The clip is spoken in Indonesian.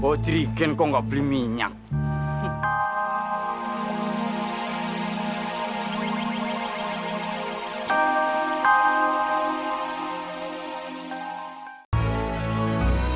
bawa tiga k kok gak beli minyak